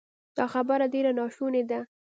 دا خبره ډېره ناشونې ده